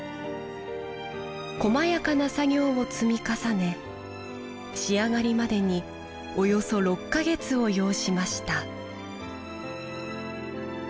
こまやかな作業を積み重ね仕上がりまでにおよそ６か月を要しました